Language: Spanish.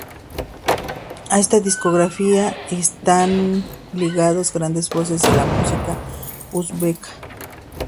A esta discográfica están ligados grandes voces de la música uzbeka.